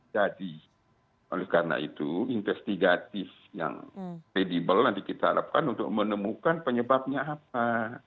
jadi karena itu investigatif yang tradibel nanti kita harapkan untuk menemukan penyebabnya apa